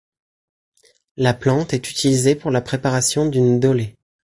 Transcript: La plante est utilisée pour la préparation du ndolé.